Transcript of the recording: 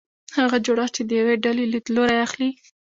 هغه جوړښت چې د یوې ډلې لیدلوری اخلي.